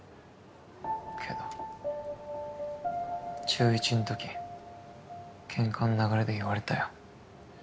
けど中１んときけんかの流れで言われたよ。